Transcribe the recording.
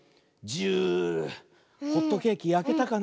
ジューホットケーキやけたかな。